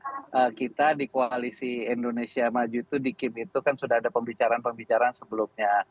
karena kita di koalisi indonesia maju itu di kib itu kan sudah ada pembicaraan pembicaraan sebelumnya